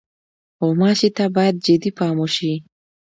غوماشې ته باید جدي پام وشي.